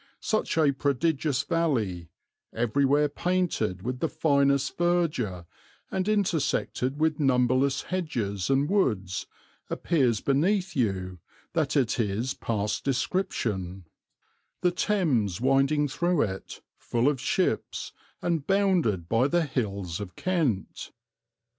Such a prodigious valley, everywhere painted with the finest verdure, and intersected with numberless hedges and woods, appears beneath you, that it is past description; the Thames winding through it, full of ships, and bounded by the hills of Kent.